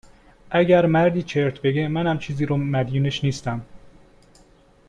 اگر مردی چرت بگه، منم چیزی رو مدیونش نیستم